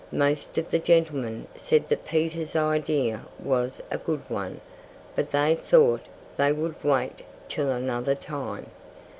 Most of the gentlemen said that Peter's idea was a good one, but they thought they would wait till another time.